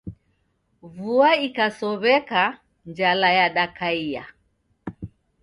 Vua ikasow'eka, njala yadakaia